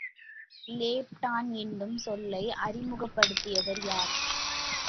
லெப்டான் என்னும் சொல்லை அறிமுகப்படுத்தியவர் யார்?